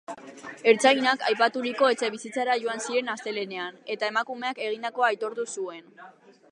Ertzainak aipaturiko etxebizitzara joan ziren astelehenean, eta emakumeak egindakoa aitortu zuen.